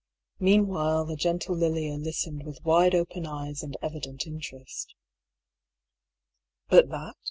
Meanwhile the gentle Lilia listened with wide open eyes and evident interest. " But that